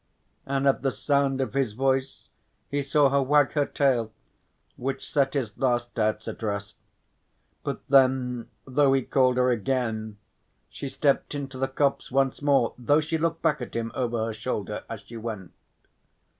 and at the sound of his voice he saw her wag her tail, which set his last doubts at rest. But then though he called her again, she stepped into the copse once more though she looked back at him over her shoulder as she went.